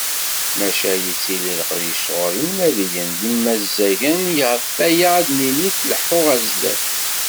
Maca yettili leqdic sɣur imnadiyen d yimazzagen, ɣef waya ad d-nini tleḥḥu ɣer sdat.